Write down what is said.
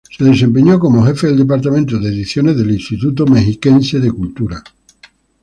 Se desempeñó como Jefe del Departamento de ediciones del Instituto Mexiquense de Cultura.